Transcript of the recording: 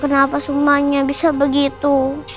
kenapa semuanya bisa begitu